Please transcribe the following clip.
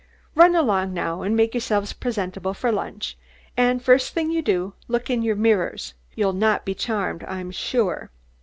Run along now and make yourselves presentable for lunch, and first thing you do, look in your mirrors. You'll not be charmed, I'm sure."